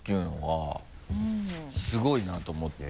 すごいなと思って。